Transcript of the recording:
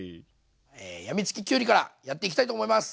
やみつききゅうりからやっていきたいと思います。